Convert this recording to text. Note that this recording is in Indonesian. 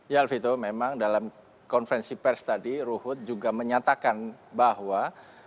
ya alvito memang dalam konferensi pers tadi ruhut juga menyatakan bahwa